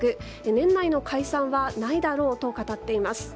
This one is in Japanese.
年内の解散はないだろうと語っています。